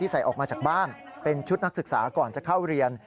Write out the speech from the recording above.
ใส่ออกมาจากบ้านเป็นชุดนักศึกษาก่อนจะเข้าเรียน